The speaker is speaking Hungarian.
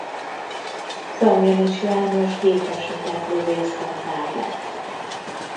Damjanich János Gépesített Lövészdandár lett.